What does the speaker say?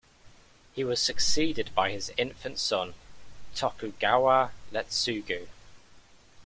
He was succeeded by his infant son, Tokugawa Ietsugu.